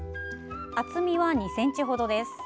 厚みは２ｃｍほどです。